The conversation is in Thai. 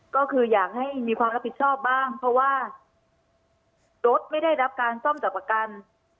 ก็คืออยากให้มีความรับผิดชอบบ้างเพราะว่ารถไม่ได้รับการซ่อมจากประกัน